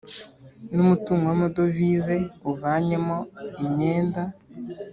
ni umutungo w amadovize uvanyemo imyenda